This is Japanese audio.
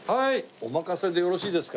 お任せでよろしいですか？